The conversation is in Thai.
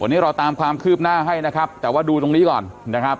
วันนี้เราตามความคืบหน้าให้นะครับแต่ว่าดูตรงนี้ก่อนนะครับ